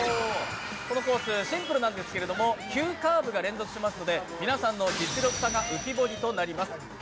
このコース、シンプルなんですけど急カーブが連続しますので皆さんの実力差が浮き彫りとなります。